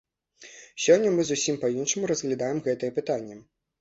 Сёння мы зусім па-іншаму разглядаем гэтыя пытанні.